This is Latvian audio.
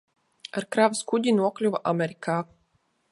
Ar kravas kuģi nokļuva Amerikā.